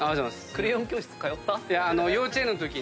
クレヨン教室通った？